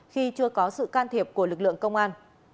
khi chưa có sự can thiệp của lực lượng công an